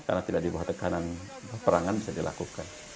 karena tidak dibuat tekanan perangan bisa dilakukan